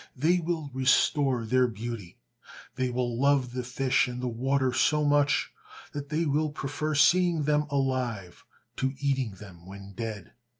They will restore their beauty. They will love the fish in the water so much that they will prefer seeing them alive to eating them when dead.